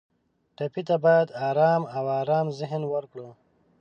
ټپي ته باید آرام او ارام ذهن ورکړو.